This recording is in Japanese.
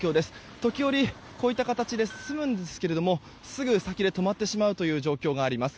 時折、こういった形で進むんですがすぐ先で止まってしまうという状況があります。